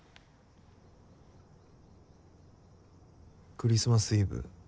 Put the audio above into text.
クリスマスイブ